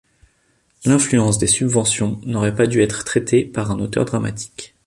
L’influence des subventions n’aurait pas dû être traitée par un auteur dramatique.